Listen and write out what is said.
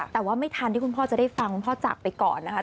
แต่ว่าไม่ทันที่คุณพ่อจะได้ฟังคุณพ่อจากไปก่อนนะคะ